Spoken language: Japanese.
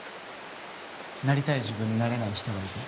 なりたい自分になれない人がいて。